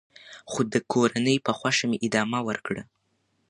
خو د کورنۍ په خوښه مې ادامه ورکړه .